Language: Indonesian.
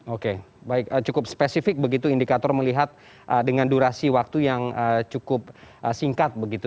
oke baik cukup spesifik begitu indikator melihat dengan durasi waktu yang cukup singkat begitu